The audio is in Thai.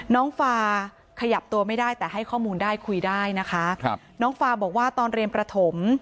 น้องฟาขยับตัวไม่ได้แต่ให้ข้อมูลได้คุยได้นะคะครับน้องฟาบอกว่าตอนเรียนประถม